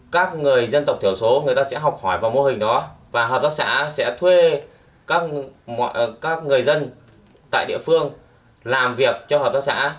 các người dân tộc thiểu số người ta sẽ học hỏi vào mô hình đó và hợp tác xã sẽ thuê các người dân tại địa phương làm việc cho hợp tác xã